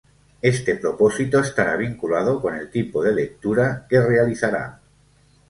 Este propósito estará vinculado con el tipo de lectura que realizará.